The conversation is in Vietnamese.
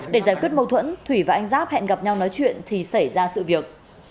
để giải quyết mâu thuẫn thủy và anh giáp hẹn gặp nhau nói chuyện thì xảy ra sự việc